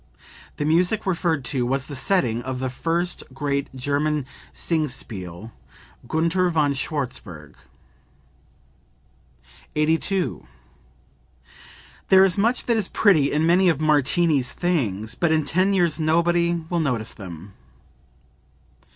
The music referred to was the setting of the first great German Singspiel, "Gunther von Schwarzburg.") 82. "There is much that is pretty in many of Martini's things, but in ten years nobody will notice them."